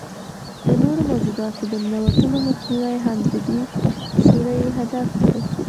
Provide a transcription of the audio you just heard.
د نورو موجوداتو د ننوتلو مخنیوی هم د دې سوري هدف دی.